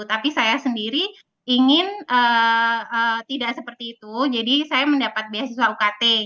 tapi saya sendiri ingin tidak seperti itu jadi saya mendapat beasiswa ukt